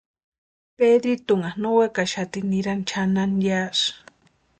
Pedritunha no wekaxati nirani chʼanani yásï.